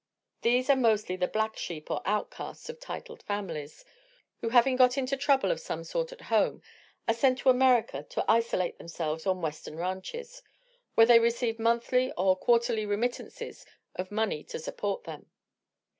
These are mostly the "black sheep" or outcasts of titled families, who having got into trouble of some sort at home, are sent to America to isolate themselves on western ranches, where they receive monthly or quarterly remittances of money to support them.